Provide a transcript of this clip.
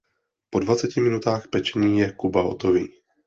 Po dvaceti minutách pečení je kuba hotový.